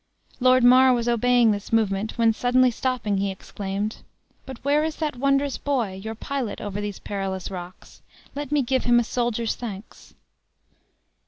Lord Mar was obeying this movement, when suddenly stopping, he exclaimed, "but where is that wondrous boy your pilot over these perilous rocks? let me give him a soldier's thanks?"